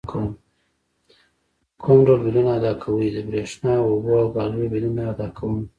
کوم ډول بیلونه ادا کوئ؟ د بریښنا، اوبو او ګازو بیلونه ادا کوم